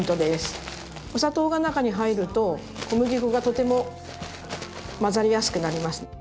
お砂糖が中に入ると小麦粉がとても混ざりやすくなります。